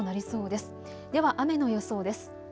では雨の予想です。